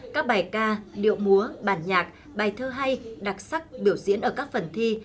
các bài ca điệu múa bản nhạc bài thơ hay đặc sắc biểu diễn ở các phần thi